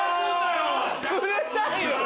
うるさいよ！